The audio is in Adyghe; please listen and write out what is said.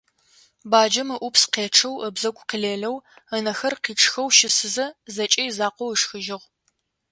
Баджэм ыӀупс къечъэу ыбзэгу къилэлэу, ынэхэр къичъхэу щысызэ, зэкӀэ изакъоу ышхыжьыгъ.